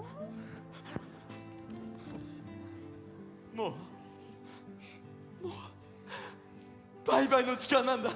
もうもうバイバイのじかんなんだ。